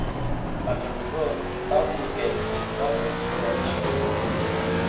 As a reward Babur gave his daughter in marriage to him.